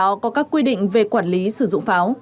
trước đó có các quy định về quản lý sử dụng pháo